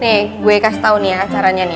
nih gue kasih tau nih ya acaranya nih